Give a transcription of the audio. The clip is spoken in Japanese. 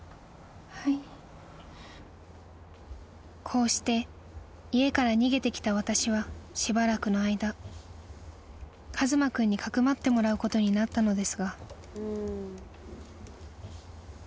［こうして家から逃げてきた私はしばらくの間一馬君にかくまってもらうことになったのですが］